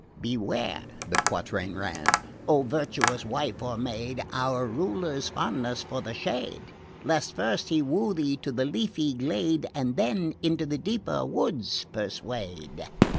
"Beware (the quatrain ran) O virtuous wife or maid, Our ruler's fondness for the shade, Lest first he woo thee to the leafy glade And then into the deeper wood persuade."